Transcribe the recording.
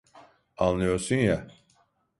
Anlıyorsun ya?